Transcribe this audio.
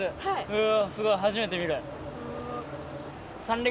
うおすごい初めて見る。